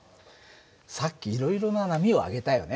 さっきいろいろな波を挙げたよね。